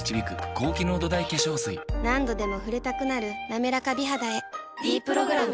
何度でも触れたくなる「なめらか美肌」へ「ｄプログラム」